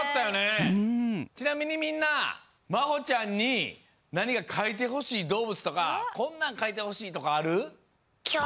ちなみにみんなまほちゃんになにかかいてほしいどうぶつとかこんなんかいてほしいとかある？